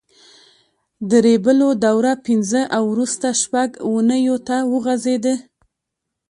د ریبلو دوره پینځه او وروسته شپږ اوونیو ته وغځېده.